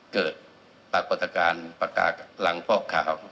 เกิดปรากวรษการปากาลหลังฟอกขาว